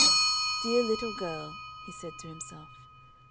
"Dear little girl," he said to himself.